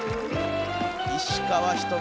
石川ひとみさん。